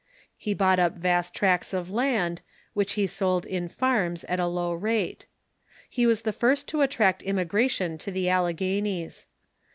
He bought up vast tracts of land, which he sold in farms at a low rate. He was the first to attract immigration to the Alle ghenies.